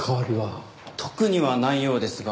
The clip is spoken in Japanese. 特にはないようですが。